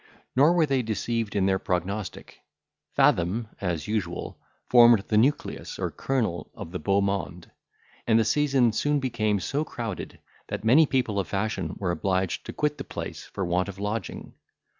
Nor were they deceived in their prognostic. Fathom, as usual, formed the nucleus or kernel of the beau monde; and the season soon became so crowded, that many people of fashion were obliged to quit the place for want of lodging.